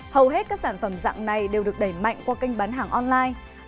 hầu hết các sản phẩm dạng này đều được đẩy mạnh qua kênh bán hàng online